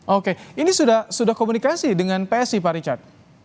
oke ini sudah komunikasi dengan psi pak richard